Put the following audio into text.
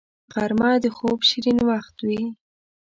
غرمه د خوب شیرین وخت وي